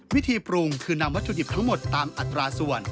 วิธีปรุงคือนำวัตถุดิบทั้งหมดตามอัตราส่วน